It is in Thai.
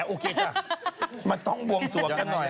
โอเคจ้ะมันต้องบวงสวงกันหน่อย